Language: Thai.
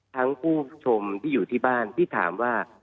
ผู้ชมที่อยู่ที่บ้านที่ถามว่า